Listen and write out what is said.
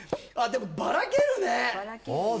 でもバラけるねああ